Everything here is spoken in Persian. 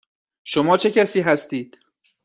شما چه کسی هستید؟